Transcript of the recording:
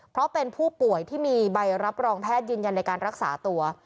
เพราะเป็นผู้ป่วยที่มีใบรับรองแพทย์ยืนยันในการรักษาตัว